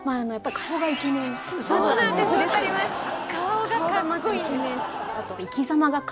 顔がまずイケメン。